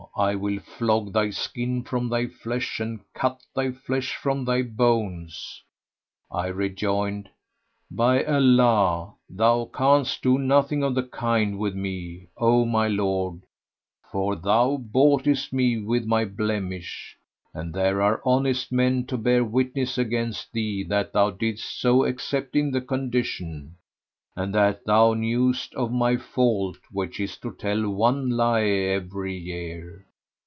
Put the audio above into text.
I will flog thy skin from thy flesh and cut thy flesh from thy bones!" I rejoined, "By Allah, thou canst do nothing of the kind with me, O my lord, for thou boughtest me with my blemish; and there are honest men to bear witness against thee that thou didst so accepting the condition, and that thou knewest of my fault which is to tell one lie every year.